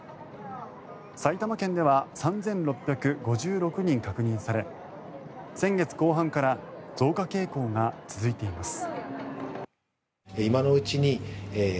埼玉県では３６５６人確認され先月後半から増加傾向が続いています。